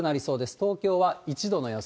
東京は１度の予想。